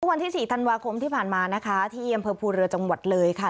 วันที่สี่ธันวาคมที่ผ่านมานะคะที่อำเภอภูเรือจังหวัดเลยค่ะ